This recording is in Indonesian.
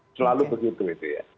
selalu begitu ya